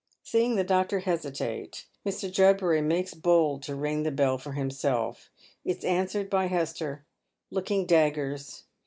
Seeing the doctor hesitate, Mr. Judbmy makes bold to ring the bell for himself. It is answered by Hester, looking daggers.